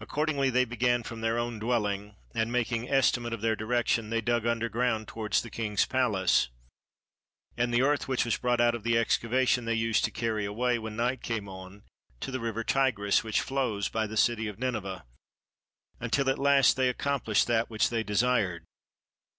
Accordingly they began from their own dwelling, and making estimate of their direction they dug under ground towards the king's palace; and the earth which was brought out of the excavation they used to carry away, when night came on, to the river Tigris which flows by the city of Nineveh, until at last they accomplished that which they desired.